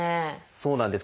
そうなんです。